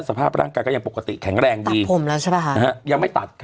สภาพร่างกายก็ยังปกติแข็งแรงดีผมแล้วใช่ป่ะคะนะฮะยังไม่ตัด